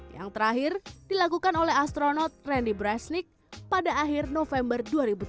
yang terakhir dilakukan oleh astronot randy braznik pada akhir november dua ribu tujuh belas